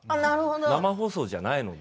生放送じゃないので。